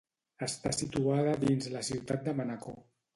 Està situada dins la ciutat de Manacor.